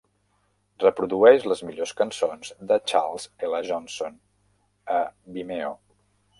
Reprodueix les millors cançons de Charles L. Johnson a vimeo